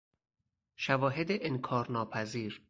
شواهد انکارناپذیر